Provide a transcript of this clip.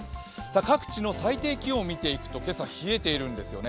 各地の最低気温を見ていくと、今朝、冷えているんですよね。